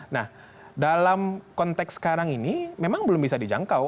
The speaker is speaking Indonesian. nah dalam konteks sekarang ini memang belum bisa dijangkau